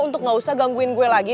untuk gak usah gangguin gue lagi